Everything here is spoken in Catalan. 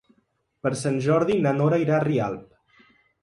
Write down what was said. Per Sant Jordi na Nora irà a Rialp.